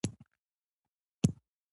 دا ټنبل خلک غواړي د نورو حق وخوري.